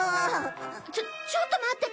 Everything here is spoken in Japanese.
ちょちょっと待ってて。